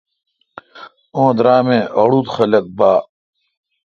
اوں درام اے° اڑوت خلق باڑ۔۔